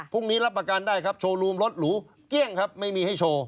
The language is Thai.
พรุ่งนี้รับประการได้ครับโชว์ลูมรถหรูเกี่ยงครับไม่มีให้โชว์